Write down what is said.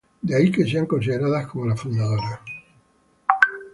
De ahí que sean consideradas como las fundadoras.